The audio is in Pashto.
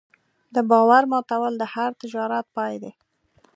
د باور ماتول د هر تجارت پای دی.